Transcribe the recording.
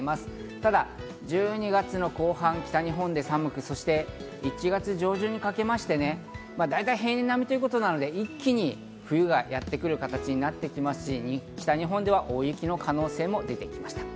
ただ１２月の後半、北日本で寒く、１月上旬にかけて大体平年並みということなので、一気に冬がやってくる形になってきますし、北日本では大雪の可能性も出てきました。